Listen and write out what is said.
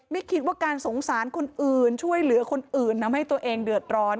ไม่คิดว่าการสงสารคนอื่นช่วยเหลือคนอื่นทำให้ตัวเองเดือดร้อน